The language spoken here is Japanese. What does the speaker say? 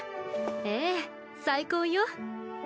ええ最高よ。